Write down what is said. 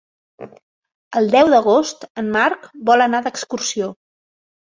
El deu d'agost en Marc vol anar d'excursió.